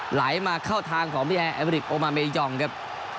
ไหลมาเข้าทางของพี่แอร์แอบริกโอมาเมยองครับ